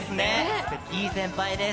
いい先輩です。